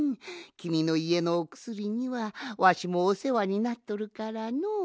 きみのいえのおくすりにはわしもおせわになっとるからのう。